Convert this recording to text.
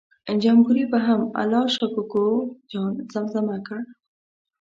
جمبوري به هم الله شا کوکو جان زمزمه کړ.